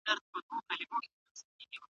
او د غوره شیانو تولید کوونکي یو.